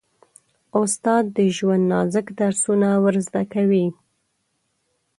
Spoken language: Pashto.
استاد د ژوند نازک درسونه ور زده کوي.